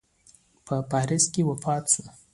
په پاریس کې وفات سو.